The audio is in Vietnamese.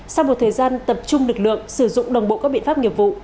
sau một thời gian tập trung lực lượng sử dụng đồng bộ các biện pháp nghiệp vụ